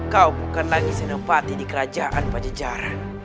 kau bukan lagi senopati di kerajaan pacar jara